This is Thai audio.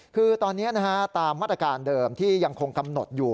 คือตอนนี้ตามมาตรการเดิมที่ยังคงกำหนดอยู่